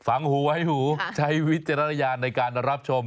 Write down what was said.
หูไว้หูใช้วิจารณญาณในการรับชม